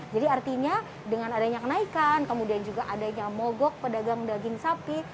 jadi artinya dengan adanya kenaikan kemudian juga adanya mogok pedagang daging sapi